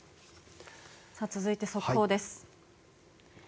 続いて速報です。